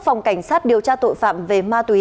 phòng cảnh sát điều tra tội phạm về ma túy